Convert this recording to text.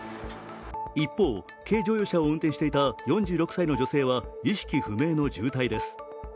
一方、軽乗用車を運転していた４６歳の女性は意識不明の重体です。